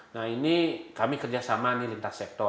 nah ini kami kerjasama nih lintas sektor